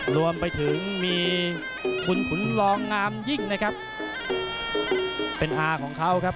รวมไปถึงมีคุณขุนรองงามยิ่งนะครับเป็นอาของเขาครับ